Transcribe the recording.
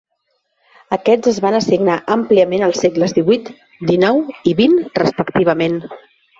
Aquests es van assignar àmpliament als segles divuit, dinou i vint respectivament.